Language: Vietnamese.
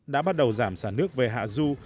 đã bắt đầu giảm xả nước về hạ du